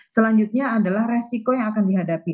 selanjutnya adalah resiko yang akan dihadapi